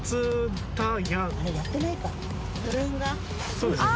そうですね